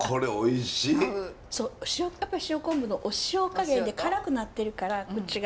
やっぱ塩昆布のお塩加減で辛くなってるから口が。